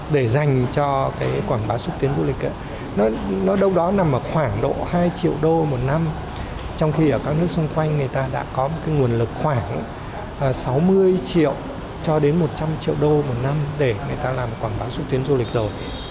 để dành cho cái quảng bá xúc tiến du lịch nó đâu đó nằm ở khoảng độ hai triệu đô một năm trong khi ở các nước xung quanh người ta đã có một nguồn lực khoảng sáu mươi triệu cho đến một trăm linh triệu đô một năm để người ta làm quảng bá xúc tiến du lịch rồi